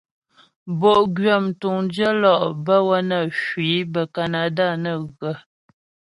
Bo'gwyə mtuŋdyə lɔ' bə́ wə́ nə hwi bə́ Kanada nə ghə.